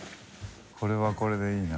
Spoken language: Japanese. これはこれでいいな。